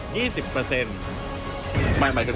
หมายถึงว่าคนจีนมันก็มีภารกษ์ฝรั่ง